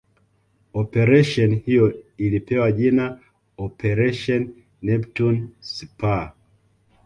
Operesheni hiyo ilipewa jina Operation Neptune Spear